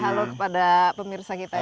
halo kepada pemirsa kita ya